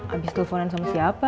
abis teleponin sama siapa